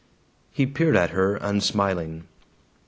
He peered at her, unsmiling.